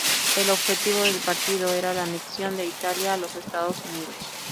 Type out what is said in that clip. El objetivo del partido era la anexión de Italia a los Estados Unidos.